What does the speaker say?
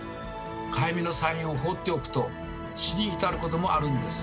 かゆみのサインを放っておくと死に至ることもあるんです。